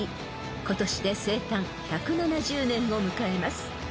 ［今年で生誕１７０年を迎えます］